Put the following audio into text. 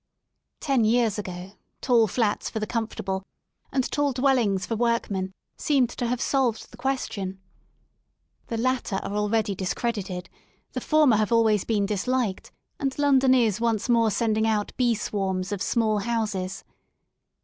Ten years ago tall flats for the comfortable and tall dwellings for workmen seemed to have solved the question. The latter are already discredited, the former have always been disliked, and London is once more sending out bee swarms of small houses.